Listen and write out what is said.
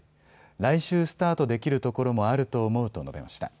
来週スタートできるところもあると思うと述べました。